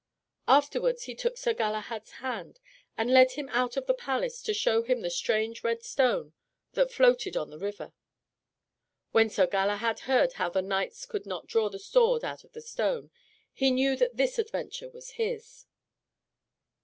Afterwards he took Sir Galahad's hand, and led him out of the palace to show him the strange red stone that floated on the river. When Sir Galahad heard how the knights could not draw the sword out of the stone, he knew that this adventure was his.